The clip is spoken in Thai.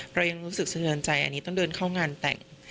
เรายังรู้สึกสะเทือนใจอันนี้ต้องเดินเข้างานแต่ง